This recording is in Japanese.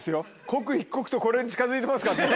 刻一刻とこれに近づいてますからね。